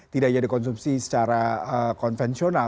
tidak hanya dikonsumsi secara konvensional